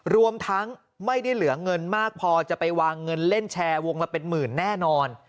รวมทั้งไม่ได้เหลือเงินมากพอจะไปวางเงินเล่นแชร์วงละเป็นหมื่นแน่นอน